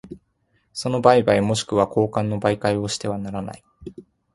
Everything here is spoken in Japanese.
その売買若しくは交換の媒介をしてはならない。